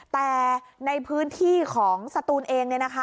แต่ในพื้นที่ของสตูนเอง